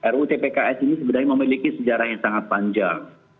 ruu tpks ini sebenarnya memiliki sejarah yang sangat panjang